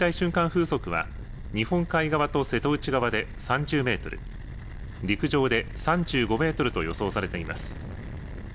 風速は日本海側と瀬戸内側で３０メートル陸上で３５メートルと予想されています。